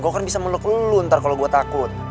gue kan bisa meneluk lo ntar kalau gue takut